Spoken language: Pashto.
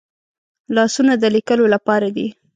لاسونه د لیکلو لپاره دي